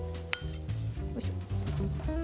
よいしょ。